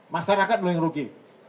masyarakat belum yang rugi